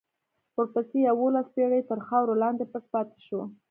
ورپسې یوولس پېړۍ تر خاورو لاندې پټ پاتې شو.